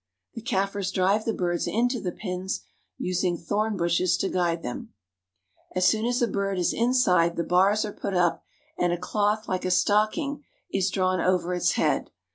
The Kaffirs drive the birds ^^H into the pens, using thorn bushes to guide them. Young ostrichos. As soon as a bird is inside, the bars are put up, and a. cloth like a stocking is drawn over its head.